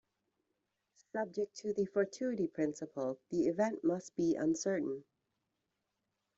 Subject to the "fortuity principle", the event must be uncertain.